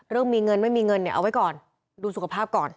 เรื่องมีเงินไม่มีเงินเนี่ยเอาไว้ก่อนดูสุขภาพก่อน